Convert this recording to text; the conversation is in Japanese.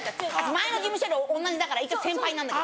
前の事務所で同じだから一応先輩なんだけど。